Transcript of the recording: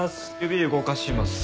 指動かします。